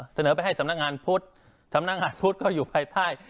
เสนอไปให้สำนักงานพุทธสำนักงานพุทธก็อยู่ภายใต้